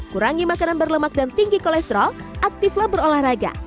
kurangi makanan berlemak dan tinggi kolesterol aktiflah berolahraga